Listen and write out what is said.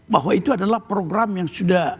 bahwa itu adalah program yang sudah